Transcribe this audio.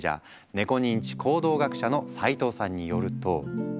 ネコ認知行動学者の齋藤さんによると。